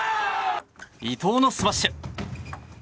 伊藤のスマッシュ。